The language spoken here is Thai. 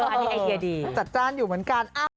อันนี้ไอเดียดี